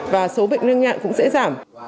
và số bệnh nhân nặng cũng sẽ giảm